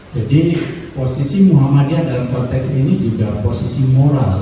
jadi posisi muhammadiyah dalam konteks ini juga posisi moral